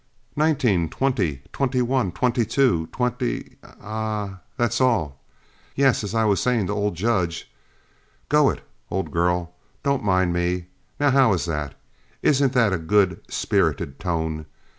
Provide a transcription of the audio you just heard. Nineteen, twenty, twenty one, twenty two, twen ah, that's all. Yes, as I was saying to old Judge go it, old girl, don't mind me. Now how is that? isn't that a good, spirited tone?